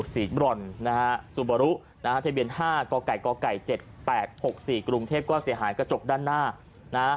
สีบรอนนะฮะซูบารุนะฮะทะเบียน๕กไก่กไก่๗๘๖๔กรุงเทพก็เสียหายกระจกด้านหน้านะฮะ